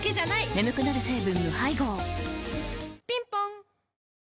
眠くなる成分無配合ぴんぽん